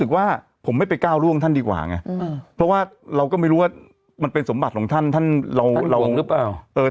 คือผมไม่ได้กลัวตาบอด